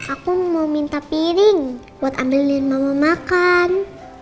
aku mau minta piring buat ambilin mama makan